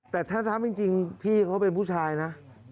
แต่ถ้าทำจริงพี่เขาเป็นผู้ชายนะ